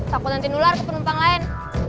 takut nanti nular ke penumpang lain